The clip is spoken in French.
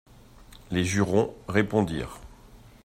Les jurons répondirent.